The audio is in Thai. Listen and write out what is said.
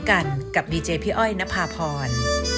กันกับดีเจพี่อ้อยนภาพร